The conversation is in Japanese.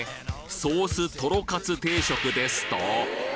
ソースとろカツ定食ですと！！